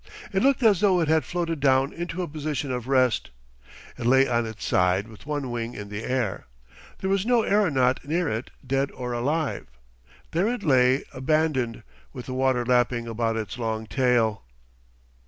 It looked as though it had floated down into a position of rest. It lay on its side with one wing in the air. There was no aeronaut near it, dead or alive. There it lay abandoned, with the water lapping about its long tail.